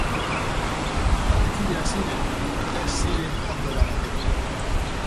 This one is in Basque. Taldekideak ziren eta ez ziren ondo eramaten.